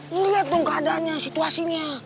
lihat dong keadaannya situasinya